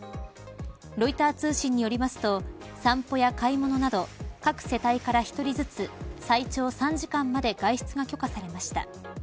ロイター通信によりますと散歩や買い物など各世帯から１人ずつ最長３時間まで外出が許可されました。